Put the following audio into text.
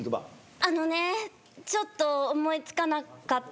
あのねちょっと思い付かなかった。